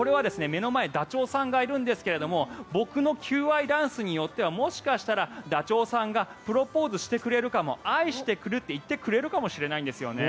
ダチョウさんがいるんですが僕の求愛ダンスによってはもしかしたらダチョウさんがプロポーズしてくれるかも愛してくると言ってくるかもしれないんですよね。